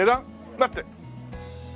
待って。